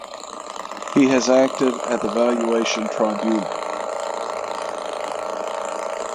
He has acted at the Valuation Tribunal.